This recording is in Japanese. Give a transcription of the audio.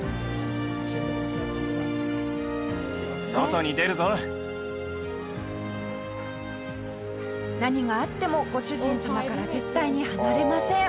下平：何があってもご主人様から絶対に離れません。